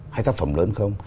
hay tác phẩm lớn không